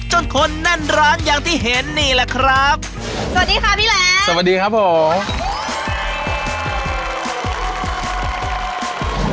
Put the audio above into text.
จนคนแน่นร้านอย่างที่เห็นนี่แหละครับสวัสดีค่ะพี่แหลมสวัสดีครับผม